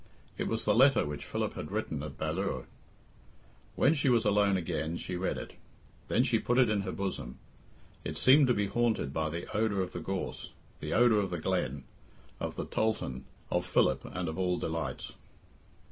It was the letter which Philip had written at Ballure. When she was alone again she read it. Then she put it in her bosom. It seemed to be haunted by the odour of the gorse, the odour of the glen, of the tholthan, of Philip, and of all delights.